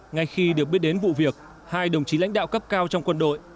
ngay khi được biết đến vụ việc hai đồng chí lãnh đạo cấp cao trong quân đội